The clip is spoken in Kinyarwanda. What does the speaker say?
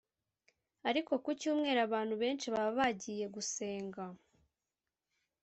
ariko ku Cyumweru abantu benshi baba bagiye gusenga